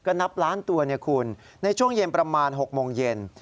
ก็นับล้านตัวเนี่ยคุณในช่วงเย็นประมาณ๖โมงเย็น